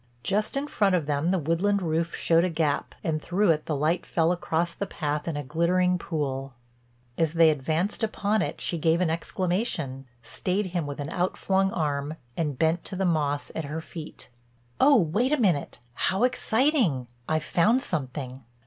Just in front of them the woodland roof showed a gap, and through it the light fell across the path in a glittering pool. As they advanced upon it she gave an exclamation, stayed him with an outflung arm, and bent to the moss at her feet: "Oh, wait a minute—How exciting! I've found something."